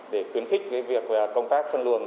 để khuyến khích việc công tác phân luồng